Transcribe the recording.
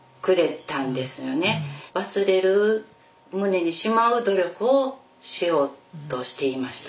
忘れる胸にしまう努力をしようとしていました。